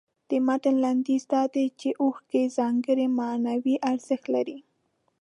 د متن لنډیز دا دی چې اوښکې ځانګړی معنوي ارزښت لري.